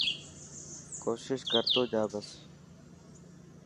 ڪوشش ڪر تو جا بس.